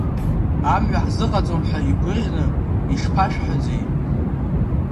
Амҩа ҳзыҟаҵом ҳәа игәыӷьны ишԥашәҳәаӡеи!